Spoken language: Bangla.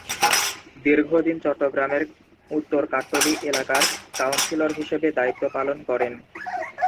দীর্ঘদিন চট্টগ্রামের উত্তর কাট্টলী এলাকার কাউন্সিলর হিসেবে দায়িত্ব পালন করেন।